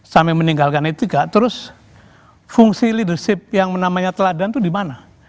sampai meninggalkan etika terus fungsi leadership yang namanya teladan itu di mana